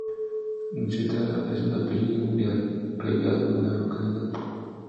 Unzueta es un apellido muy arraigado en la localidad.